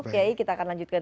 kayak iya kita akan lanjutkan